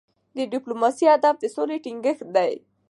د ډيپلوماسی هدف د سولې ټینګښت دی.